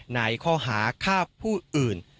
ในข้อหาข้าพูดอื่น